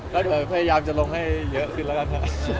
นะคะพยายามจะลงให้เยอะขึ้นแล้วกันค่ะ